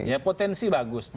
ya potensi bagus